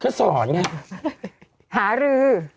เขาสอนไงหารื้อ